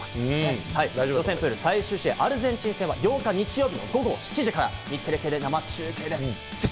最終試合、アルゼンチン戦は８日、日曜日の午後７時から日本テレビ系列で生中継です。